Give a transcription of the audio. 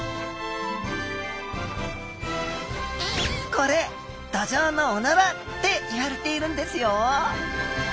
これドジョウのおならっていわれているんですよ